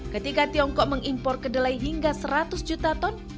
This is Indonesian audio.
ketika tiongkok mengimpor kedelai hingga seratus juta ton